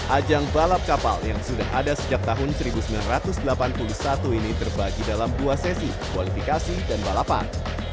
ajang balap kapal yang sudah ada sejak tahun seribu sembilan ratus delapan puluh satu ini terbagi dalam dua sesi kualifikasi dan balapan